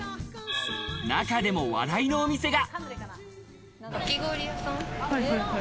中でも話題のお店が。